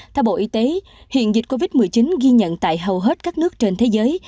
theo bộ y tế hiện dịch covid một mươi chín ghi nhận tại hầu hết các nước trên thế giới